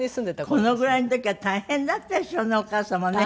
このぐらいの時は大変だったでしょうねお母様ね。